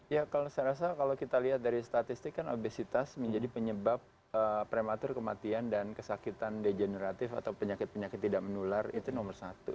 ya kalau saya rasa kalau kita lihat dari statistik kan obesitas menjadi penyebab prematur kematian dan kesakitan degeneratif atau penyakit penyakit tidak menular itu nomor satu